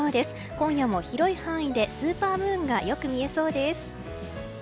今夜も広い範囲でスーパームーンがよく見えそうです。